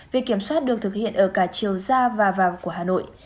việc kiểm soát được thực hiện ở cả chiều ra và vào của hà nội